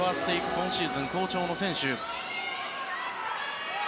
今シーズン好調の選手です。